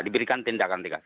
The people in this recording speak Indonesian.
diberikan tindakan tegas